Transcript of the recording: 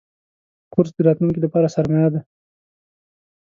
کورس د راتلونکي لپاره سرمایه ده.